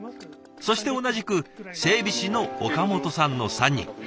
そして同じく整備士の岡本さんの３人。